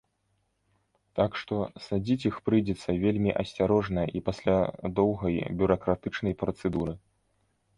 Так што, садзіць іх прыйдзецца вельмі асцярожна і пасля доўгай бюракратычнай працэдуры.